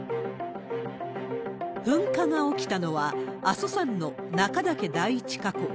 噴火が起きたのは、阿蘇山の中岳第一火口。